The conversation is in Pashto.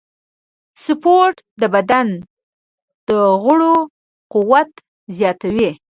سپورت د بدن د غړو قوت زیاتوي.